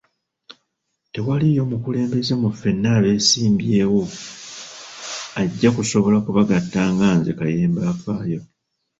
Tewaliiyo mukulembeze mu ffenna abeesimbyewo ajja kusobola ku bagatta nga nze Kayemba afaayo.